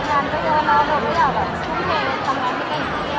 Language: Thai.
สิ่งที่เราต้องคิดความต่างขนาดนี้